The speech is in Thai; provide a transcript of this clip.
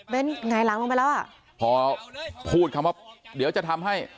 เป็นหงายหลังลงไปแล้วอ่ะพอพูดคำว่าเดี๋ยวจะทำให้